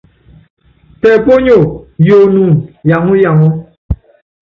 Tɛ ponyoo yoonúnú yaŋɔ yaŋɔ.